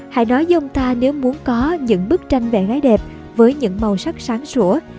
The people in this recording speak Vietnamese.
hãy nói với ông ta nếu muốn có những bức tranh vẽ gái đẹp với những màu sắc sáng sủa